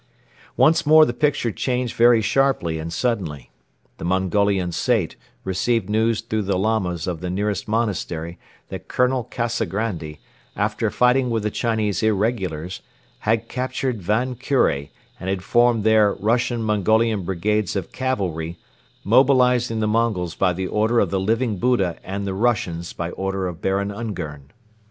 Once more the picture changed very sharply and suddenly. The Mongolian Sait received news through the Lamas of the nearest monastery that Colonel Kazagrandi, after fighting with the Chinese irregulars, had captured Van Kure and had formed there Russian Mongolian brigades of cavalry, mobilizing the Mongols by the order of the Living Buddha and the Russians by order of Baron Ungern.